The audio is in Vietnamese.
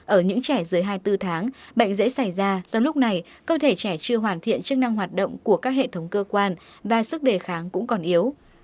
ở những trẻ dưới hai mươi bốn tháng bệnh dễ xảy ra do lúc này cơ thể trẻ chưa hoàn thiện chức năng hoạt động của các hệ thống cơ quan và sức đề kháng cũng còn yếu